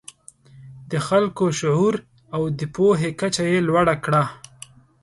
د خلکو شعور او د پوهې کچه یې لوړه کړه.